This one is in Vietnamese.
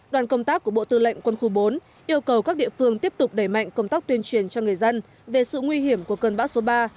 đoàn công tác của bộ tư lệnh quân khu bốn yêu cầu các địa phương tiếp tục đẩy mạnh công tác tuyên truyền cho người dân về sự nguy hiểm của cơn bão số ba